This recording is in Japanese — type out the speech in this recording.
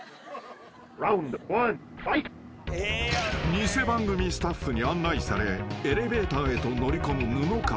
［偽番組スタッフに案内されエレベーターへと乗り込む布川］